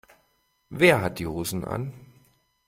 Wer hat die Hosen an?